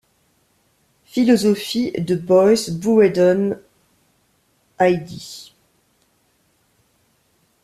Philosophie de Boys-Bourredon id.